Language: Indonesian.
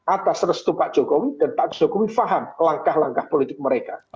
atas restu pak jokowi dan pak jokowi faham langkah langkah politik mereka